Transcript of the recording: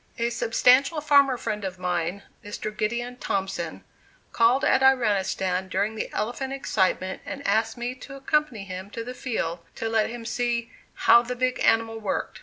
A substantial farmer friend of mine, Mr. Gideon Thompson, called at Iranistan during the elephant excitement and asked me to accompany him to the field to let him see "how the big animal worked."